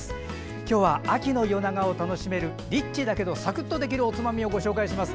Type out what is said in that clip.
今日は秋の夜長を楽しめるリッチだけどサクッとできるおつまみをご紹介します。